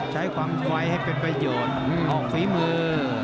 ใช้ความไวให้เป็นประโยชน์ออกฝีมือ